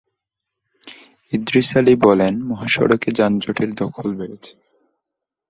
ইদ্রিস আলী বলেন, মহাসড়কে যানজটের ধকল বেড়েছে।